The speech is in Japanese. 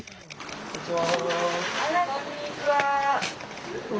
こんにちは。